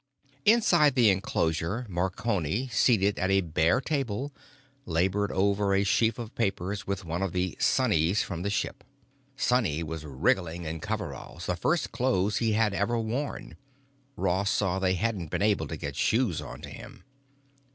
Inside the enclosure Marconi, seated at a bare table, labored over a sheaf of papers with one of the "Sonnies" from the ship. Sonny was wriggling in coveralls, the first clothes he had ever worn. Ross saw they hadn't been able to get shoes onto him.